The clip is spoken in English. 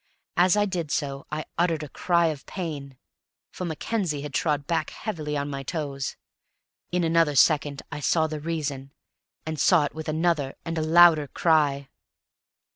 As I did so I uttered a cry of pain, for Mackenzie had trod back heavily on my toes; in another second I saw the reason, and saw it with another and a louder cry.